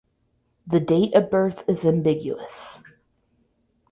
The date of birth is ambiguous.